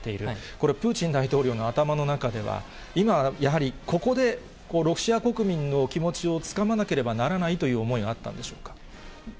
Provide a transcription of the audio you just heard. これ、プーチン大統領の頭の中では、今、やはりここでロシア国民の気持ちをつかまなければならないという思いがあったんでしょう